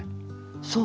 そう。